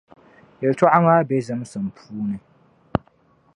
Yɛltɔɣa maa be zimsim puuni.